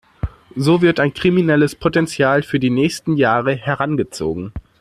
So wird ein kriminelles Potential für die nächsten Jahre herangezogen.